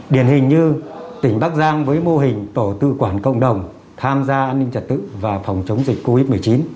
điển hình như tỉnh bắc giang với mô hình tổ tự quản cộng đồng tham gia an ninh trật tự và phòng chống dịch covid một mươi chín